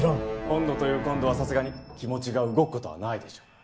今度という今度はさすがに気持ちが動く事はないでしょう。